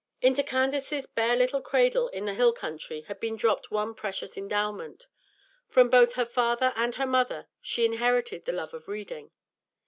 Into Candace's bare little cradle in the hill country had been dropped one precious endowment. From both her father and her mother she inherited the love of reading.